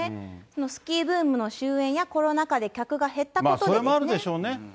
そのスキーブームの終えんやコロナ禍で客が減ったことですね。